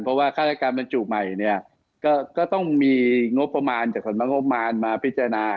เพราะว่าฆ่าจักรบรรจุใหม่ก็ต้องมีงบประมาณจากธนประงบมายน์มาพิจาณา